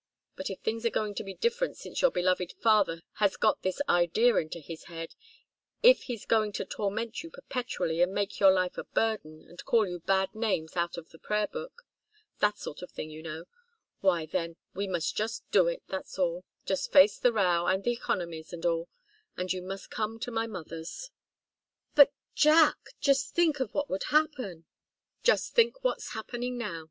But if things are going to be different since your beloved father has got this idea into his head, if he's going to torment you perpetually, and make your life a burden, and call you bad names out of the prayer book that sort of thing, you know why, then, we must just do it, that's all just face the row, and the economies, and all, and you must come to my mother's." "But, Jack just think of what would happen " "Well just think what's happening now.